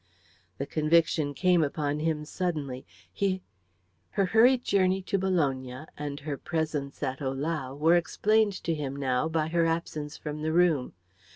The conviction came upon him suddenly. Her hurried journey to Bologna and her presence at Ohlau were explained to him now by her absence from the room.